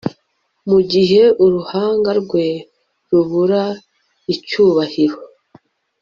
mugihe uruhanga rwe rubura icyubahiro